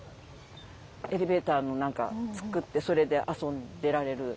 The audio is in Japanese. エレベーターの何か作ってそれで遊んでられる。